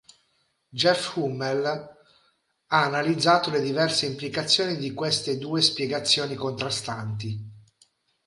Jeff Hummel ha analizzato le diverse implicazioni di queste due spiegazioni contrastanti.